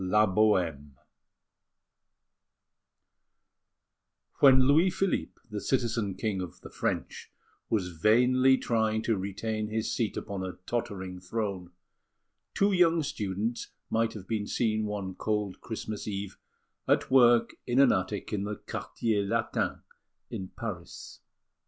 LA BOHÈME When Louis Philippe, the Citizen King of the French, was vainly trying to retain his seat upon a tottering throne, two young students might have been seen one cold Christmas Eve at work in an attic in the Quartier Latin, in Paris.